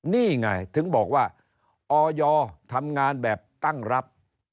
นี่ไงถึงบอกว่าออยทำงานแบบตั้งรับ